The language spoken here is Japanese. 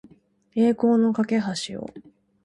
栄光の架橋を